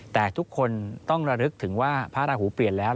แต่ทุกคนต้องระลึกถึงว่าพระราหูเปลี่ยนแล้ว